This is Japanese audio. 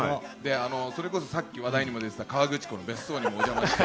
それこそさっき話題にも出てた河口湖の別荘にお邪魔して。